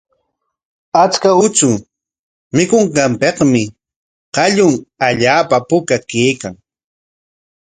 Achka uchu mikunqanpikmi qallun allaapa puka kaykan.